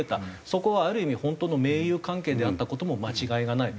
そこはある意味本当の盟友関係であった事も間違いがない。